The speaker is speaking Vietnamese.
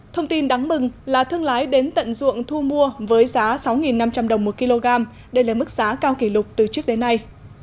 thông tin đáng mừng là thương lái đến tận ruộng thu mua với giá sáu năm trăm linh đồng một kg đây là mức giá cao kỷ lục từ trước đến nay